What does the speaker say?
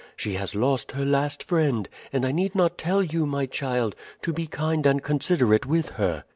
She has lost her last friend, and I need not tell you, my child, to be kind and considerate with her.